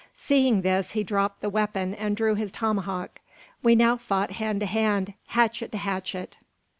Seeing this, he dropped the weapon and drew his tomahawk. We now fought hand to hand, hatchet to hatchet!